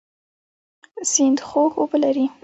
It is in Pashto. سیند خوږ اوبه لري.